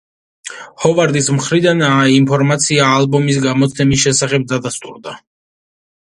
ჰოვარდის მხრიდან ინფორმაცია ალბომის გამოცემის შესახებ დადასტურდა.